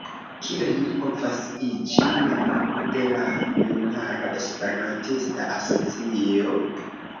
Kiel mi povas iĝi membro de la junulara Esperantista asocio?